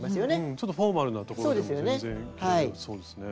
ちょっとフォーマルなところでも全然着られそうですね。